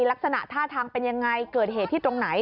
ลักษณะท่าทางเป็นยังไงเกิดเหตุที่ตรงไหน